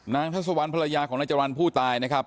ทัศวรรณภรรยาของนายจรรย์ผู้ตายนะครับ